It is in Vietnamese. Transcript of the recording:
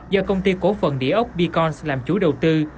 do công ty cổ phần đĩa ốc beacons làm chủ đầu tư